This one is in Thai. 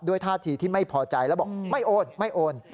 ท่าทีที่ไม่พอใจแล้วบอกไม่โอนไม่โอน